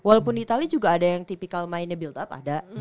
walaupun di itali juga ada yang tipikal mainnya build up